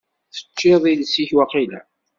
Teččiḍ iles-ik waqila?